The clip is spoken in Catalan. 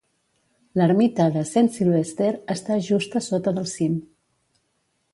L"ermita de Saint Sylvester està just a sota del cim.